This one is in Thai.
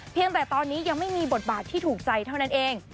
แต่ตอนนี้ยังไม่มีบทบาทที่ถูกใจเท่านั้นเอง